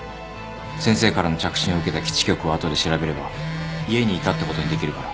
先生からの着信を受けた基地局を後で調べれば家にいたってことにできるから。